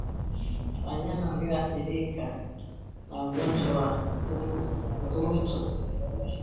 Wanyama walioathirika na ugonjwa wa ukurutu